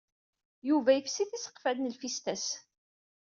Yuba yefsi tiseqfal n lfista-s.